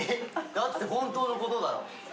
だって本当の事だろ？